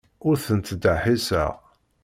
Ur ten-ttdeḥḥiseɣ.